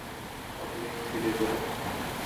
কতদিন ছিলে জেলে?